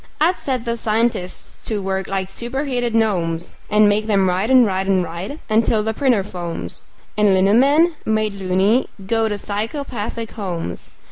I'd set the scientists to work like superheated gnomes, And make them write and write and write until the printer foams And lino men, made "loony", go to psychopathic homes.